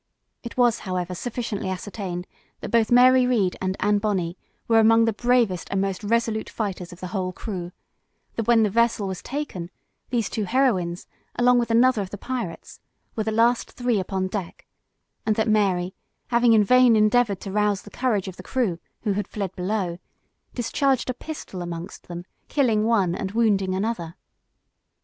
It was, however, sufficiently ascertained, that both Mary Read and Anne Bonney were among the bravest and most resolute fighters of the whole crew; that when the vessel was taken, these two heroines, along with another of the pirates, were the last three upon deck; and that Mary, having in vain endeavored to rouse the courage of the crew, who had fled below, discharged a pistol amongst them, killing one and wounding another.